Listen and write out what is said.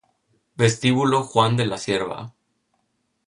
Vestíbulo Juan de la Cierva